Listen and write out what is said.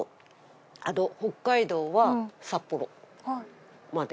あと北海道は札幌まで。